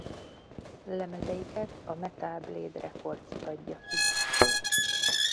Lemezeiket a Metal Blade Records adja ki.